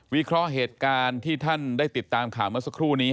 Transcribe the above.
เคราะห์เหตุการณ์ที่ท่านได้ติดตามข่าวเมื่อสักครู่นี้